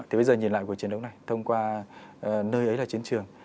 thì bây giờ nhìn lại cuộc chiến đấu này thông qua nơi ấy là chiến trường